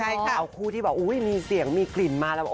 เอาคู่ที่บอกมีเสียงมีกลิ่นมาแล้ว